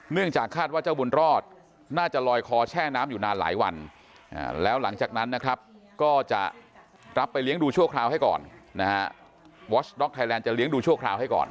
เนื่องจากคาดว่าเจ้าบุญรอดน่าจะลอยคอแช่น้ำอยู่นานหลายวันแล้วหลังจากนั้นนะครับก็จะรับไปเลี้ยงดูชั่วคราวให้ก่อนนะฮะ